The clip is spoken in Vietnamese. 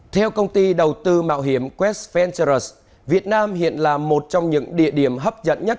theo công ty đầu tư mạo hiểm west penters việt nam hiện là một trong những địa điểm hấp dẫn nhất